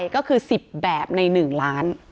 ก็คือ๑๐แบบใน๑ล้าน